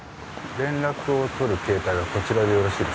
連絡を取る携帯はこちらでよろしいですか？